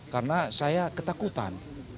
karena saya ketakutan